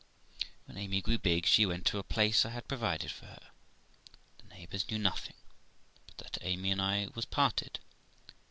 When Amy grew big she went to a place I had provided for her, and the neighbours knew nothing but that Amy and I was parted.